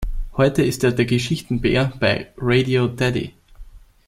Heute ist er der „Geschichten-Bär“ bei Radio Teddy.